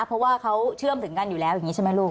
เพราะว่าเขาเชื่อมถึงกันอยู่แล้วอย่างนี้ใช่ไหมลูก